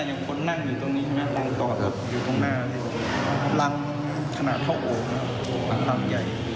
อย่างคนนั่งอยู่ตรงนี้คือรังขนาดเทาโอทักใหญ่